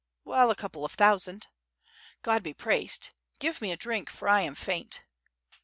"Well, a couple of thousand." "God be praised! Give me a drink, for I am faint."